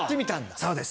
そうです。